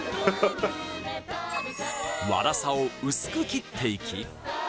ワラサを薄く切っていき